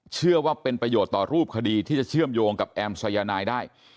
เชื่อว่าเป็นประโยชน์ต่อรูปคดีที่จะเชื่อมโยงกับแอมสายนายได้